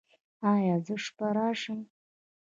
ایا زه شپه راشم؟